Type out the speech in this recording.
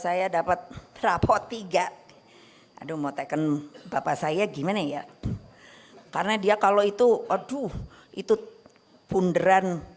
saya dapat rapot tiga aduh mau teken bapak saya gimana ya karena dia kalau itu aduh itu punderan